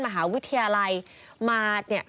มหาวิทยาลัยมา